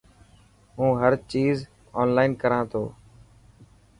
هون هر چيز اونلان ڪران تو.